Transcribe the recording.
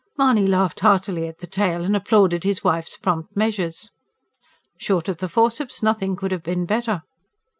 Mahony laughed heartily at the tale, and applauded his wife's prompt measures. "Short of the forceps nothing could have been better!"